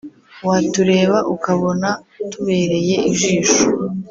watureba ukabona tubereye ijisho